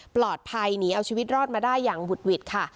ปลอดภัยหนีเอาชีวิตรอดมาได้อย่างบุดหวิดค่ะ